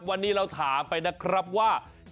วันนี้เราถามไปนะครับว่า